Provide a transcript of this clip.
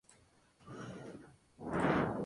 Falleció en Córdoba, víctima de tuberculosis.